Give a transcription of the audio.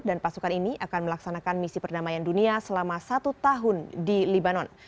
dan pasukan ini akan melaksanakan misi perdamaian dunia selama satu tahun di libanon